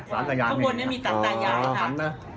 ข้างบนนี้มีตัดตายาย